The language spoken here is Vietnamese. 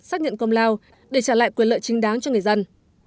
xác nhận công lao để trả lại quyền lợi chính đáng cho người dân